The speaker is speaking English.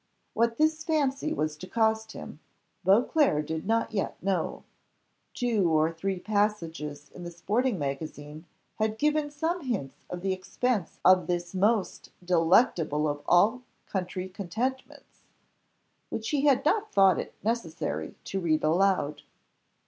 What this fancy was to cost him, Beauclerc did not yet know. Two or three passages in the Sporting Magazine had given some hints of the expense of this "most delectable of all country contentments," which he had not thought it necessary to read aloud.